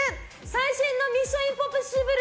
最新の「ミッション：インポッシブル」